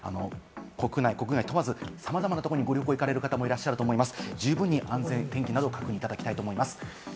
これからも国内、国外問わず、さまざまなところにご旅行に行かれる方もいらっしゃると思います。